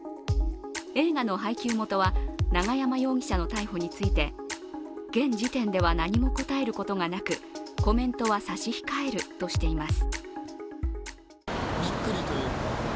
映画の配給元は永山容疑者の逮捕について、現時点では何も答えることがなく、コメントは差し控えるとしています。